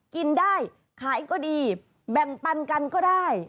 กินได้ขายก็ดีแบ่งปันกันก็ได้